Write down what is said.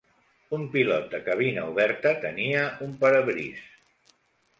Un pilot de cabina oberta tenia un parabrisa.